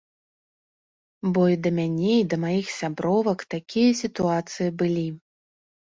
Бо і да мяне, і да маіх сябровак такія сітуацыі былі.